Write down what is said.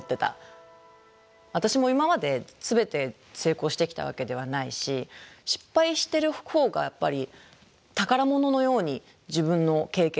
私も今まで全て成功してきたわけではないし失敗してるほうがやっぱり宝物のように自分の経験になってるので。